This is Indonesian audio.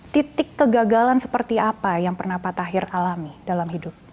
titik kegagalan seperti apa yang pernah pak tahir alami dalam hidup